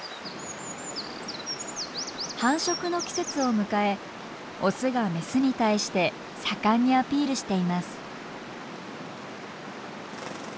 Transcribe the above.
繁殖の季節を迎えオスがメスに対して盛んにアピールしています。